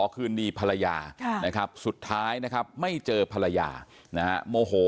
คืนดีภรรยานะครับสุดท้ายนะครับไม่เจอภรรยานะฮะโมโห